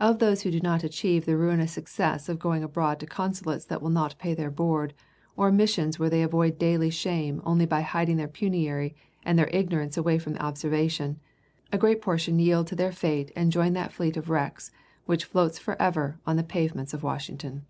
Of those who do not achieve the ruinous success of going abroad to consulates that will not pay their board, or missions where they avoid daily shame only by hiding their penury and their ignorance away from observation, a great portion yield to their fate and join that fleet of wrecks which floats forever on the pavements of Washington.